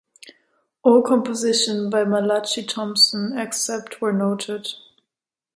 All compositions by Malachi Thompson except where noted